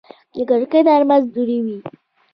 د کړکۍ ترمنځ دوړې وې.